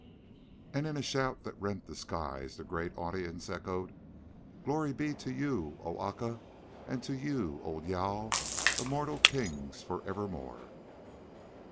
And in a shout that rent the skies the great audience echoed: "Glory be to you, O Aca, and to you, O Jâl, immortal kings for evermore!"